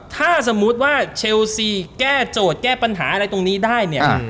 ถ้าสมมุติว่าเชลซีแก้โจทย์แก้ปัญหาอะไรตรงนี้ได้เนี่ย